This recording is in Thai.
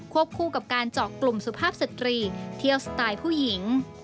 คู่กับการเจาะกลุ่มสุภาพสตรีเที่ยวสไตล์ผู้หญิง